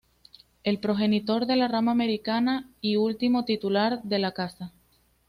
El progenitor de la Rama Americana y último Titular de la Casa.